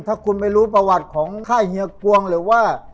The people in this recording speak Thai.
ถ้าคุณไม่รู้ประวัติของค่ายเฮียกวงหรือว่า